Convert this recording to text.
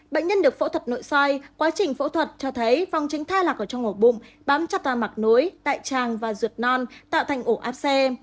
bệnh nhân được phẫu thuật nội xoay quá trình phẫu thuật cho thấy vòng tránh thai lạc ở trong ngủ bụng bám chặt vào mặt nối đại trang và ruột non tạo thành ổ áp xe